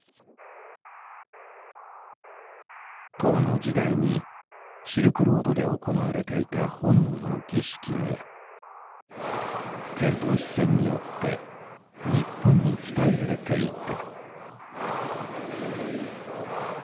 唐の時代にシルクロードで行われていた炎の儀式が遣唐使船によって日本に伝えられていた。